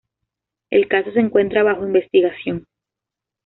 El caso se encuentra bajo investigación.